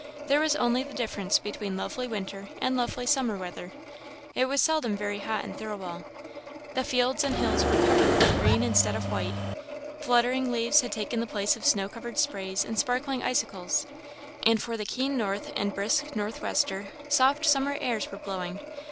There was only the difference between lovely winter and lovely summer weather; it was seldom very hot in Thirlwall. The fields and hills were covered with green instead of white; fluttering leaves had taken the place of snow covered sprays and sparkling icicles; and for the keen north and brisk northwester, soft summer airs were blowing.